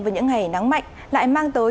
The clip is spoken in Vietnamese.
vào những ngày nắng mạnh lại mang tới